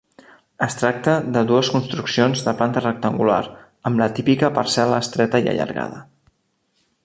Es tracta de dues construccions de planta rectangular, amb la típica parcel·la estreta i allargada.